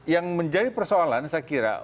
yang menjadi persoalan saya kira